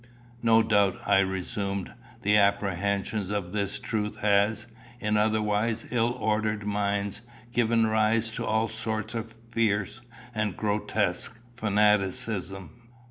"No doubt," I resumed, "the apprehension of this truth has, in otherwise ill ordered minds, given rise to all sorts of fierce and grotesque fanaticism.